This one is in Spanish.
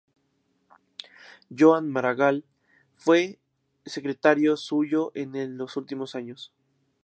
Joan Maragall fue secretario suyo en los últimos años.